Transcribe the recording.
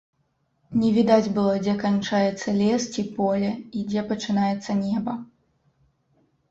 Не відаць было, дзе канчаецца лес ці поле і дзе пачынаецца неба.